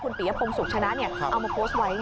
คุณปิยพงษ์สุขชนะเนี่ยเอามาโพสต์ไว้ไง